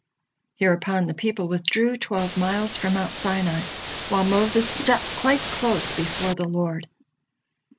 Hereupon the people withdrew twelve miles from Mount Sinai, while Moses stepped quite close before the Lord.